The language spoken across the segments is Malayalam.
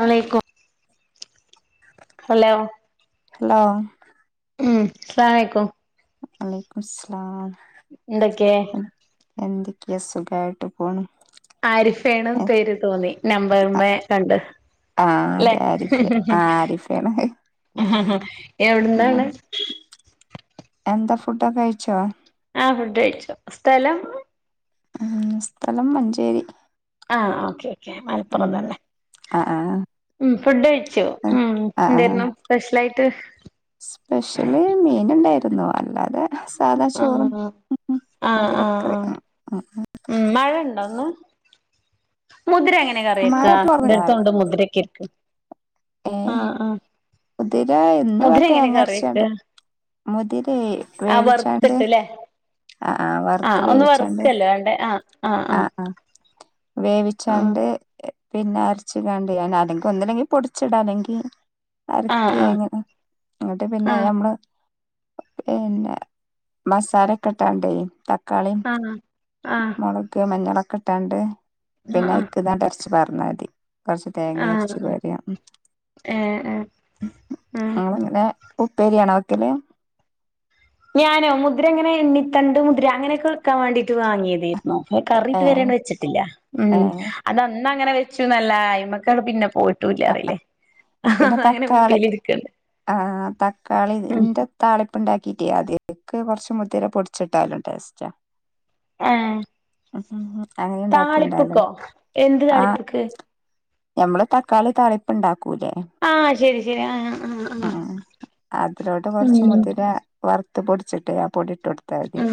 ആണേയ്ക്കും ഹലോ ഹലോ ഉം അസ്സലാമലൈക്കും അലൈക്കും ഉസ്‌ലാം എന്തൊക്കെ എന്തൊക്കെ സുഖായിട്ട് പോണ് ആരിഫേണ് പേര് തോന്നി നമ്പറുമ്മെ കണ്ട് ല്ലേ അതെ ആരിഫേണ് ആ ആരിഫേണ് പിന്നെ എവിടുന്നാണ് എന്താ ഫുഡൊക്കെ കഴിച്ചോ ആ ഫുഡ് കഴിച്ചു സ്ഥലം സ്ഥലം മഞ്ചേരി അ ആ ഓക്കെ മലപ്പുറം ഉം തന്നെ ആ ആ ഫുഡ് കഴിച്ചു ഉം ആ ആ എന്തേരിന്നു സ്പെഷ്യലായിട്ട് പിന്നെ വല്ലാതെ സാധാ ചോറ് ആഹ് ങും ങും ആഹ് ആഹ് ആഹ് മധുരക്കറിയും ഉം മഴ മുതിരെങ്ങനെ കറിവെക്ക മഴ കുറവില്ല. എൻ്റെടുത്തുണ്ട് മുതിരൊക്കെ ഏ [inaudible] അ ആ മുതിര ഇന്ന് തേങ്ങ അരച്ചോണ്ട് വെക്കാ ആഹ് മുതിരിവേവിച്ചുണ്ട് വറുത്തിട്ട്ല്ലേ വറുത്ത് ആഹ് ഒന്ന് വേവിച്ചാണ്ട് വറുക്കല്ലേ വേണ്ടേ ആഹ് അ ആഹ് അ വേവിച്ചാണ്ട് പിന്നെ അരച്ച്ങ്ങാണ്ട് ഒന്നില്ലെങ്കിൽ പൊടിച്ചിടാ അല്ലെങ്കിൽ ആഹ് ആഹ് അരയ്‌ക്കേണ് ഇന്നിട്ട് പിന്നെ അത് ആഹ് നമ്മള് പിന്നെ മസാലക്കിട്ടാണ് തക്ക- ആണോ അ മഞ്ഞളൊക്കിട്ടാണ്ട് [unintelligible] ച്ച് പറഞ്ഞാതി കുറച്ച് തേങ്ങ ആഹ് അരച്ചപാര്യാ ഏഹ് ഏഹ് ആഹ് ആളങ്ങനെ ഉപ്പേരിയാണോ വെക്കല് ഞാനോ മുദ്ര ങ്ങനെ എണ്ണിത്തണ്ട് മുദ്ര അങ്ങനെയൊക്കെ വെക്കാ വേണ്ടിട്ട് വാങ്ങിയതായിരുന്നു നോക്യാ കറിത്വരെ ഏഹ് വെച്ചിട്ടില്ല ഉ ഏഹ് അത ന്നങ്ങനെ വെച്ചുന്നല്ല്തെ അയിമക്ക് പിന്നെ പോയി ആ പിന്നെ തക്കാളി കുപ്പിലിരിക്കണ്ട് ആഹ ഉം തക്കാളിന്റെ താളിപ്പ് ഉണ്ടാ കിറ്റിഅതക്ക് കൊറച്മുതിര പൊടിച്ചിട്ടാലും ടേസ്റ്റ് ആഹ ഉം ഉം അങ്ങനെ താളിപ്പ്ക്കോ ഉണ്ടാക്കിണ്ടാവലുണ്ട് എന്ത് ആഹ് താളിപ്പ്ക്ക് ഞമ്മള് ത ക്കാളി താളിപ്പ് ഇണ്ടാക് ആഹ് ശെരി റ്റേ ആ ആഹ് ഉം അതിലോട്ട്കുറച്ച് മുതിര വറുത്ത് പൊടിച്ചിട്ടെ ആ പൊടി കൊടുത്താൽ മതി ഇം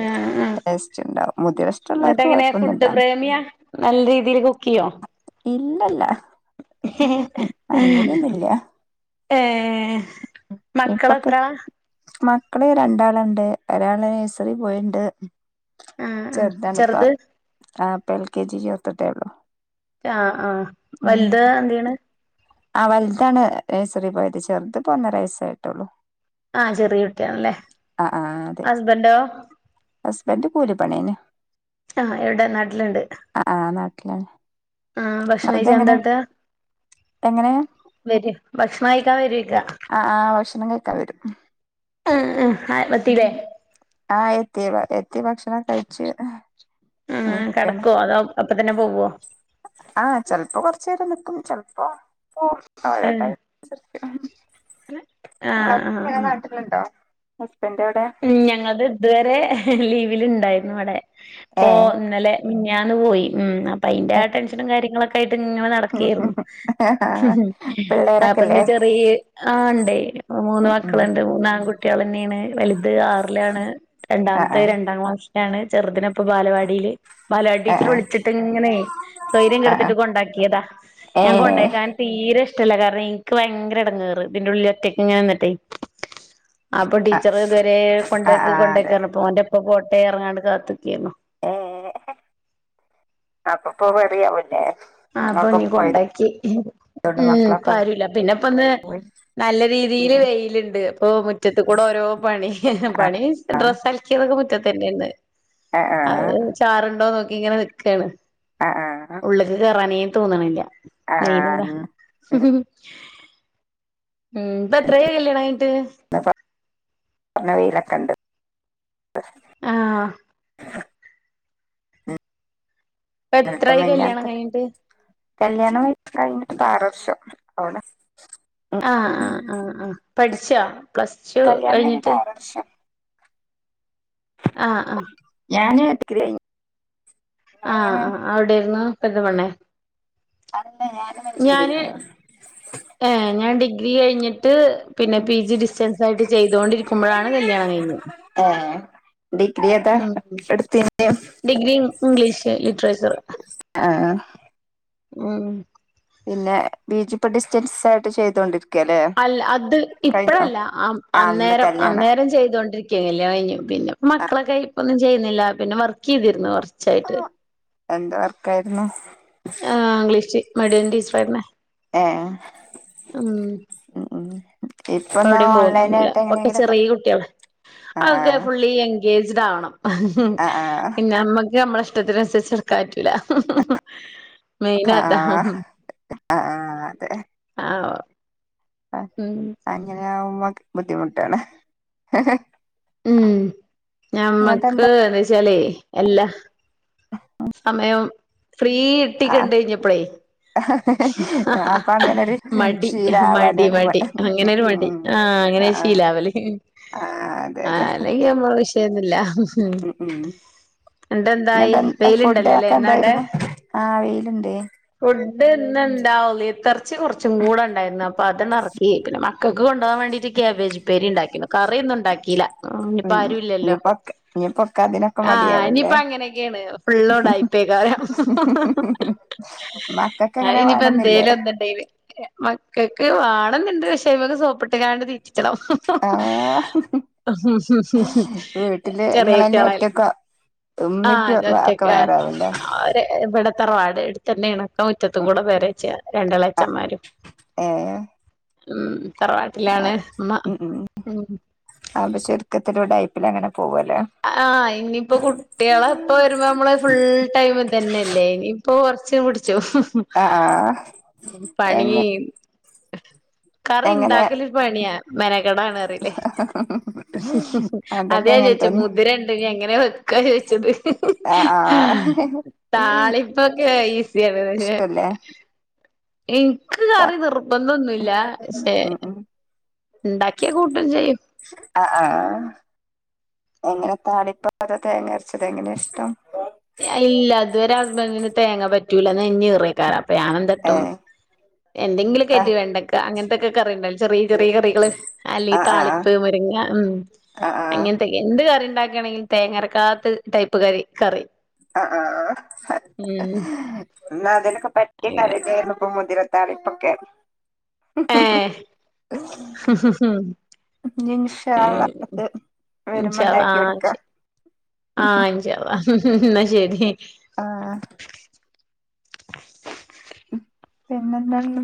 ഏഹ് ഏഹ് ടേസ്റ്റ് ഉണ്ടാവും മുതിര ഇഷ്ടമുള്ളവർക്ക് ന്നിട്ടെങ്ങനെയാ കുഴപ്പൊന്നുമില്ല ഫുഡ് പ്രേമിയാ നല്ല രീതിയിൽ കുക്ക് ചെയ്യോ അല്ല ഏഹ് ഇപ്പൊക്കെ മക്കളെത്ര മക്കള് രണ്ടാളുണ്ട് ഒരാള് നഴ്സറിൽ പോയിണ്ട് ഉം ഉം ചെർത് ആഹ് ഇപ്പ എൽകെജി ചേർത്തിട്ടേള്ളു ആഹ് ആഹ് വലുതെന്തെയ്യണ് വലുതാണ് നഴ്സറിൽപോയത് ചെർത് ഒന്നര വയസ് ആയിട്ടുള്ളൂ ആഹ് ചെറിയ കുട്ടിയാണല്ലേ ഹസ്ബന്റോ ഹസ്ബൻ്റ് കൂലിപ്പണിന്നെ അ എവിടെ നാട്ടിലുണ്ട് ആഹ് ആ ഭക്ഷണം കഴിച്ചാ ഏന്താട്ടാ എങ്ങനെ വര് ഭക്ഷണം കഴിക്കാൻ വരേക്കാ ആഹ് ആഹ് ഓ ശ നിങ്ങളൊക്കെ വരും - ആഹ് ആഹ് - ആഹ് എത്തീവരെ- തി ഭക്ഷണമം കഴിച്ച്- ഇങ്ങനെ ആഹ് ഇരിക്കാണ് കെടക്ക് വാ [unintelligible] പോവ്വാ- ആഹ് ചെലപ്പം കൊറച്ച്നേരം നിൽക്കും ചെലപ്പോ പ്പോ- ആഹ് എടയ്ക്ക് - [unintelligible] ആ ആഹ് ഇപ്പ നാട്ടിലുണ്ടോ? ഹസ്ബൻഡ് എവിടെ ഞങ്ങളത് ഇതുവരെ ലീ ലുണ്ടായിരുന്നുവിടെ ഓ ഏഹ് ഇന്നലെ മി ഞാന് പോയി മ് അപ്പയിന്റെ ടെൻഷനും കാര്യ ട്ട് ഇങ്ങനെ നടക്കരുന്നു. ആ പിള്ളേരൊക്കെല്ലേ പിന്നെ ചെറിയ ആ ഇണ്ടേ മൂന്ന് ഉം ഉം മക്കളുണ്ട്. മൂന്നാൺകു കുട്ട്യാലെന്നെന്ന് വലുത് ആറിലാണ് ആഹ് രണ്ടാമത്തെ രണ്ടാം ക്ലാസ് ണ് ചെറുതിനപ്പൊ ബാലവാടിയില് മലയാളി ടീച്ചർ ആഹ് വിളിച്ചിട്ട് ഇങ്ങനെ ബാലപാടി ടീച്ചറ് വിളിച്ചിട്ടിങ്ങനെ സ്വര്യം ആഹ് ആഹ് കെടുത്തിട്ട് കൊണ്ടാക്കിയതാ ഞാൻ ഏഹ് കൊണ്ടാക്കാൻ തീരെ ഇഷ് ഇ്ടല്ല കാരണം എനിക്ക് ഭയങ്കര ഇടങ്ങേറ് ഇതിന്റെ ഉള്ളില ഒറ്റക്കെ ഇങ്ങനെ നിന്നിട്ടെ അപ്പൊ ടി ആഹ് ചറ് ഇതുവരെ ആഹ് കൊണ്ടാക്ക് ആഹ് അതെ കൊണ്ടാക്ക് അപ്പോ ഓന്റെപ്പ പോ ട്ടെ റഞ്ഞാണ്ട് കാത്ത്‌ക്കെന്നു ഏ അപ്പപ്പോ പേടിയവുലെ ആ അപ്പൊ നീ കൊണ്ടാക്കി. പോയതോണ്ട് ഉമ് മക്കളൊക്കെ പാരുല പിന്നെപ്പൊ ഒന്ന് പോയി നല്ല ഉം രീതിയില് ഉം വെയിലുണ്ട്. അപ്പൊ മുറ്റത്തു കൂടെ ഓരോ പണി ആഹ് പണി ആഹ് ഡ്രസ്സ് അലക്കിയതോ റ്റെതെന്നെന്ന് അത് ആഹ് ചാറുണ്ടോ നോ ഇങ്ങനെ നിക്കാണ് ആഹ് ആഹ് ഉള്ള്ക്ക് കേറാനെ തോന്ണില്ല ആഹ് ഇന്ന് [unintelligible] ഉം ഇപ്പ എത്രയായി കല്ല്യാണയിഞ്ഞിയിട്ട് നല്ല വയില കണ്ട് ആഹ് [unintelligible] ഇപ്പ [unintelligible] ഇന്നല്തും എത്രായി കല്യാണം മിഞ്ഞാന്നതും ഒക്കെ കഴിഞ്ഞിട്ട് കല്യാണം കയി ഞ്ഞിട്ട് ഇപ്പ ആറ് വർഷം അവിടെ ആ ആ ആ ആ പഠിച്ചാ പ്ലസ്ടൂ കല്യാണം കഴിഞ്ഞിട്ട് ആറ് വർഷം ആ ആ ഞാന് ഡിഗ്രി കഴിഞ്ഞ് ആ ആ അവിടെരുന്നു പെരിന്തൽമണ്ണേ അല്ലെ ഞാന് മഞ്ചേരിലെന്നു ഏഹ് ഞാൻ ഡിഗ്രി കഴിഞ്ഞിട്ട് പിന്നെ പി ജി ഡിസ്റ്റൻസ് ആയിട്ട് ചെയ്തൊണ്ടിരിക്കുമ്പോഴാണ് കല്യാണം കഴിഞ്ഞേ ഏഹ് ഡിഗ്രി ഏതാ ഉം എടുത്തീന് ഡിഗ്രി ഇംഗ്ലീഷ് ലിറ്റ്റേച്ചറ് ആഹ് ഉം പിന്നെ ബീജ്‌ ഇപ്പ ഡിസ്റ്റൻസായിട്ട് ചെയ്തൊണ്ടിര് അല്ല അത് ഇപ്പഴല്ല അ ആഹ് ഇന്ന് അന്നേരം കല്യാണം അന്നേരം ചെയ്തോണ്ടിരിക്ക്യാ കല്യാണം കഴിഞ്ഞ് പിന്നെപ്പം മക്കളക്കെയായ് ഇപ്പങ്ങ ചെയ്യുന്നില്ല പിന്നെ വർക്കെയ്തിരുന്നു കൊറ എന്ത്‌ വർക്കായിരുന്നു ഏ ഇംഗ്ലീഷ്. മടിയൻ ടീച്ചറായിര്ന്നേ ഏ മ്മ് മ്മ് ഇപ്പവിടെം പോവുന്നോന്നുല്ല ഇപ്പക്കേ ചെറീ കുട്ട്യാണ് അവോക്കേ ആഹ് ഫുള്ളി എങ്കെജ് ജിടാവണം ആഹ് ആഹ് പിന്നെ ഞമ്മക്ക് ഞമ്മളേ ഇഷ്ടത്തിനനുസരിച്ച് ഇട്ക്കാറ്റു ല്ലാ മെയിൻ ആഹ് അതാ ആഹ് ആഹ് ആ ഉം അങ്ങനെയാവുമ്പം ബുദ്ധിമുട്ടാണ് ഉം ഇങ്ങട്ട് എന്താ ഞമ്മക്ക് എന്ന്ച്ചാലേ എല്ലാ സമയം ഫ്രീ ഇട്ടി ആ കണ്ടെഴിഞ്ഞപ്പളേ അപ്പൊ അങ്ങനൊരു മടി മടി ശീലാവാനൊരു മ മടി ഉം അങ്ങനൊരു മടി ഉം ആ അങ്ങനെ ആ ആ ശീലാവല് ആ അതെ അതെ അല്ലങ്കി നമ്മള് വിഷയ ല്ല മ്മ് ഉം ഉം ന്ന്ട്ട് എന്തായി ഇങ്ങട്ട് എന്താ ഫുഡ് വെയ്‌ലുണ്ടലൊല്ലെ ഒക്കെ ഇന്നാടെ എന്തായിരുന്നു ആ വെയിലുണ്ട് ഫുഡ്ന്ന്ണ്ടാ [unintelligible] എർച്ചി കൊറച്ചും കൂടെണ്ടായിരുന്ന പ്പത് ന്ന്റക്കി. പിന്നെ മക്കക്ക് കൊണ്ടൊവാ വേണ്ടിട്ട് കേബേജ്പ്പേരി ഇണ്ടാക്കിണ്. കറിന്നുണ്ടാക്കീല ആ ഇനിപ്പോ ഉം ആരും ഇല്ലല്ലോ ഇനിയിപ്പൊക്കെ ഇനിയിപ്പൊക്കെ അതിനൊക്കെ ആഹ് മടിയാവൂല്ലേ ഇനിയിപ്പങ്ങനെയൊക്കെണ് ഫുള്ള് ഉണ്ടായിപ്പേക്കാരം മക്കക്ക് അങ്ങനെ അഹ്ഇനിയിപ്പോ വേണംന്നില്ലേ എന്തേലും എന്ത്‌ണ്ടേല് മക്കക്ക് വേണന്ന്ണ്ട് പക്ഷേ ഇവരേ സോപ്പിട്ട്ക്കാണ്ട് തീറ്റ് ക്കണം ആ വീട്ടില് ചെറിയ ഇങ്ങളന്നെ കുട്ട്യാളല്ലേ ഒറ്റക്കാ ആ ഉമ്മി ഇപ്പി ഒറ്റ ഒക്കെ വേറാവൂല്ലേ അവര് ഇട തറവാട് എട്ത്തന്നെയാണ്- ടൊ മുറ്റത്ത് ഉം കൂടെ പെരച്ച് രണ്ടളെ ച്ചന്മാരും- മ് - ആഹ് മ് മ് ഉം അപ്പ ചുരുക്കത്തിലൂടായി പിന്നെങ്ങനെ - ആഹ് ഇനിയിപ്പ കുട്ടിളെ ഇപ്പ വരുമ്പ നമ്മള് ഫുൾ ടൈം ഇതന്നെല്ലെ ഇനിയിപ്പൊ കുറ ച്ച് വ്ട് ച്ചു ആ ആ മ് പണി എങ്ങനെ കറി എങ്ങനെ ഇണ്ടാക്കലൊരു പണിയാ മെനെ ക്കടാണ്റിയിലെ അതൊക്കെ അതെ അങ്ങനെ ച്ച് തന്നെ മുതിരണ്ട് ഇഞ്ഞ് എങ്ങനെ വെക്ക് ചോദിച്ചത് ആഹ് ആഹ് താളിപ്പൊക്കെ ഈസിയാണ് ഹെ ഇഷ്ടല്ലേ എനിക്ക് ത- കറി നിർബന്ധൊന്നുല്ല പഷെ ഉം ഉം ഇണ്ടാക്കിയാ കൂട്ടും ചെയ്യും ആഹ് ആഹ് എങ്ങനെ താളിപ്പ അതൊ തേങ്ങ അരച്ചത് എങ്ങനെയാ ഇഷ്ടം ഇല്ല ഇതുവരെ ഹസ്ബന്റിന് തേങ്ങ പറ്റൂല നെഞ്ഞീറെക്കാരം അപ്പെ ഞാനെന്താട്ടും ഏഹ് ത എന്തെങ്കിലുക്കെറ്റ് വെണ്ടക്ക അങ്ങൻത്തൊക്കെ കറിണ്ടാലെ ചെറിയ ചെറിയ കറികള് അല്ലെ ആഹ് ആഹ് താളിപ്പ് മുരങ്ങ ഉം ആഹ് ആഹ് അങ്ങൻത്തെക്കെ എന്ത് കറിം ഇണ്ടാക്കണെങ്കി തേങ്ങരക്കാത്ത ടൈപ്പ് കറി കറി ആഹ് ആഹ് ഉം ആഹ് എന്ന അതേല ക്ക് പറ്റിയ കറിയെന്നേര്ന്നു ഇപ്പം മുതിര താളിപ്പൊക്കേ ഏഹ് ഞ്ഞ് ഇന്ശാ ഉം അള്ളാ ഓക്ക് വെരുമ്പം ഇൻഷാ അള്ളാ ആഹ് ഇണ്ടാക്കിയൊട്ക്കാ ശരി മ് ഉ എന്നാ ശരി ആ പിന്നെന്താണും